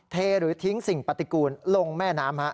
เทหรือทิ้งสิ่งปฏิกูลลงแม่น้ำ